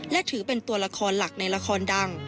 และถือเป็นตัวละครหลักในละครดัง